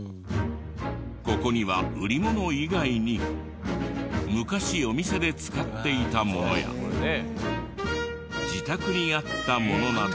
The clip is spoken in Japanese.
ここには売り物以外に昔お店で使っていたものや自宅にあったものなど。